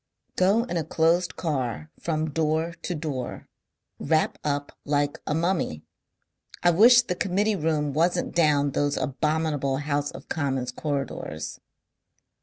"Go in a closed car from door to door. Wrap up like a mummy. I wish the Committee room wasn't down those abominable House of Commons corridors...."